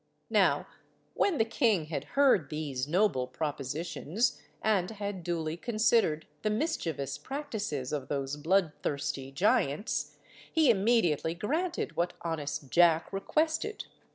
Now, when the king had heard these noble propositions, and had duly considered the mischievous practices of those bloodthirsty giants, he immediately granted what honest Jack requested.